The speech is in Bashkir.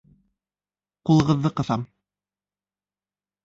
Ҡулығыҙҙы ҡыҫам.